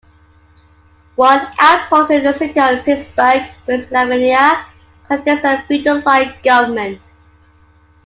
One outpost in the city of Pittsburgh, Pennsylvania, contains a feudal-like government.